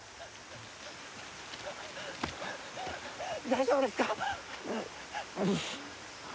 大丈夫ですか！？